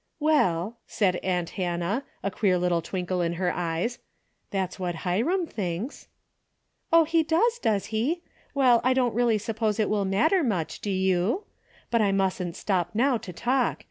''Well," said aunt Hannah, a queer little twinkle in her eyes, "that's what Hiram thinks." " Oh, he does, does he ? Well, I don't really suppose it will matter much, do you ? But I mustn't stop now to talk.